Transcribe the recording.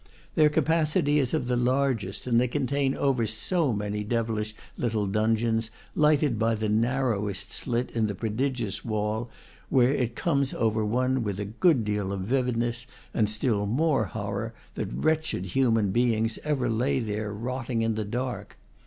Their capacity is of the largest, and they contain over so many devilish little dungeons, lighted by the narrowest slit in the pro digious wall, where it comes over one with a good deal of vividness and still more horror that wretched human beings ever lay there rotting in the dark.